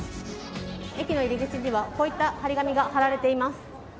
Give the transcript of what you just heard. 駅の入り口にはこういった張り紙が貼られています。